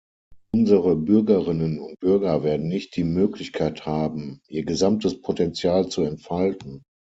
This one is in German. Unsere Bürgerinnen und Bürger werden nicht die Möglichkeit haben, ihr gesamtes Potenzial zu entfalten.